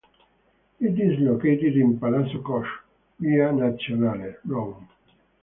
It is located in Palazzo Koch, via Nazionale, Rome.